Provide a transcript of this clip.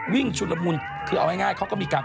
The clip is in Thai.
ชุดละมุนคือเอาง่ายเขาก็มีการ